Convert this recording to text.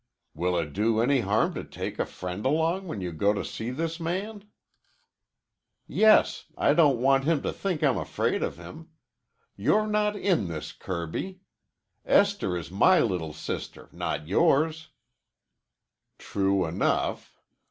"Will it do any harm to take a friend along when you go to see this man?" "Yes. I don't want him to think I'm afraid of him. You're not in this, Kirby. Esther is my little sister, not yours." "True enough."